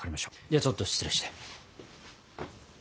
ではちょっと失礼して。